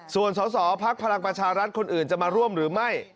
ส่วนสอภักดิ์ภารกิจประชารัฐคนอื่นจะมาร่วมหรือไม่